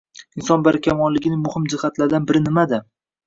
Inson barkamolligining muhim jihatlaridan biri nimada?